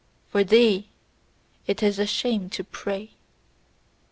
For THEE it is a shame to pray!